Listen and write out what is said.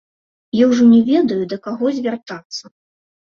Я ўжо не ведаю, да каго звяртацца.